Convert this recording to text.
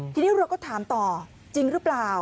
ทีนี้เราก็ถามต่อจริงหรือเปล่า